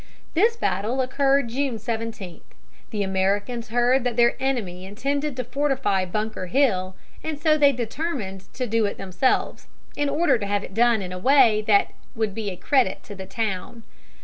This battle occurred June 17. The Americans heard that their enemy intended to fortify Bunker Hill, and so they determined to do it themselves, in order to have it done in a way that would be a credit to the town.